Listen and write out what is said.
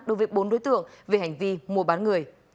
đối với bốn đối tượng về hành vi mua bán người